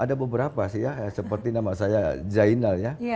ada beberapa sih ya seperti nama saya zainal ya